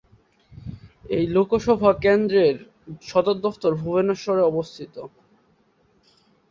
এই লোকসভা কেন্দ্রর সদর দফতর ভুবনেশ্বর শহরে অবস্থিত।